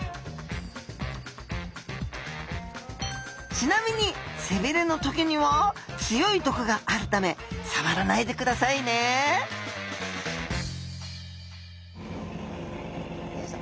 ちなみに背びれのトゲには強い毒があるため触らないでくださいねよいしょ。